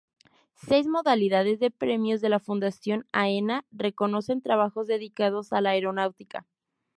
Seis modalidades de premios de la Fundación Aena reconocen trabajos dedicados a la aeronáutica.